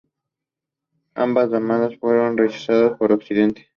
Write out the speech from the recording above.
Ambas demandas fueron rechazadas por Occidente.